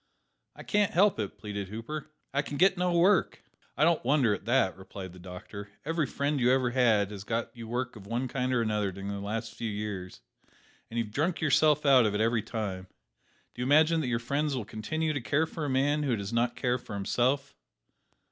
"I can't help it," pleaded Hooper; "I can get no work." "I don't wonder at that," replied the doctor; every friend you ever had has got you work of one kind or another during the last few years, and you have drunk yourself out of it every time. Do you imagine that your friends will continue to care for a man who cares not for himself?